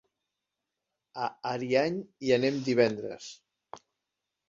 A Ariany hi anem divendres.